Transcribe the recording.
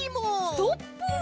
ストップ！